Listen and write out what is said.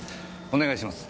お願いします。